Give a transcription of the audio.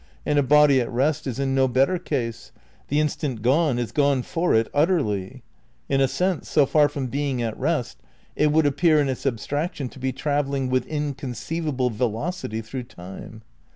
And a body at rest is in no better case ; the instant gone is gone for it utterly. In a sense, so far from being at rest, it would appear in its abstraction to be travelling with inconceivable velocity through time.